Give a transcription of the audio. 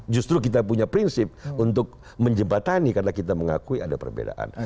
justru kita punya prinsip untuk menjembatani karena kita mengakui ada perbedaan